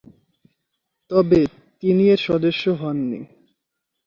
তবে তিনি এর সদস্য হননি।